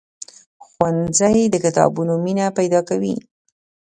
ښوونځی د کتابونو مینه پیدا کوي.